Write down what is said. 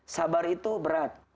sabar itu berat